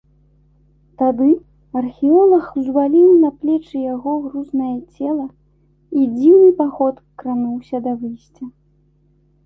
Тады археолаг узваліў на плечы яго грузнае цела, і дзіўны паход крануўся да выйсця.